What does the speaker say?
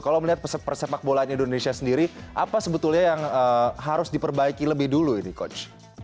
kalau melihat persepak bolaan indonesia sendiri apa sebetulnya yang harus diperbaiki lebih dulu ini coach